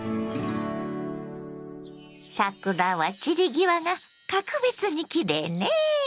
桜は散り際が格別にきれいね！